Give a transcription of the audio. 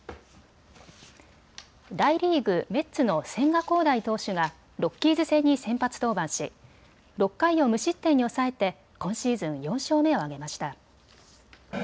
大リーグ、メッツの千賀滉大投手がロッキーズ戦に先発登板し６回を無失点に抑えて今シーズン４勝目を挙げました。